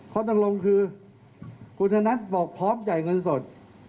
ข้อตกลงคือคุณธนัทบอกพร้อมจ่ายเงินสด